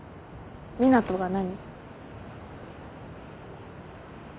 湊斗が何？